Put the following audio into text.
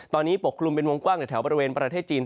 ตอนนี้ปกคลุมเป็นวงกว้างในแถวบริเวณประเทศจีน